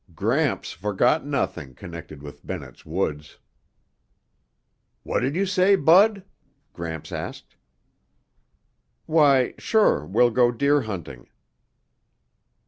Gramps forgot nothing connected with Bennett's Woods. "What did you say, Bud?" Gramps asked. "Why, sure we'll go deer hunting."